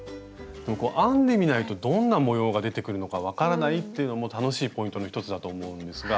こう編んでみないとどんな模様が出てくるのか分からないっていうのも楽しいポイントの一つだと思うんですが。